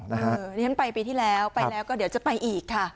นี่ฉันไปปีที่แล้วไปแล้วก็เดี๋ยวจะไปอีกค่ะ